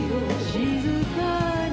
「静かに」